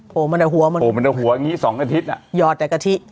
โผล่มันในหัวโผล่มันในหัวอย่างงี้๒อาทิตย์น่ะยอดแต่กะทิ